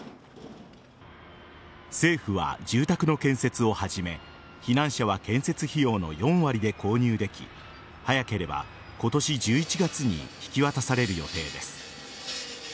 政府は住宅の建設を始め避難者は建設費用の４割で購入でき早ければ今年１１月に引き渡される予定です。